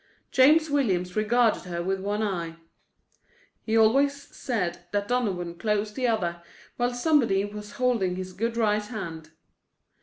James Williams regarded her with one eye. He always said that Donovan closed the other while somebody was holding his good right hand.